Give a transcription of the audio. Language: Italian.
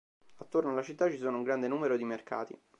Attorno alla città ci sono un grande numero di mercati.